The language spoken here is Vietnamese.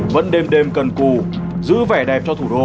vẫn đêm đêm cần cù giữ vẻ đẹp cho thủ đô